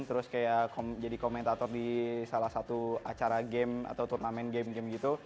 terus kayak jadi komentator di salah satu acara game atau turnamen game game gitu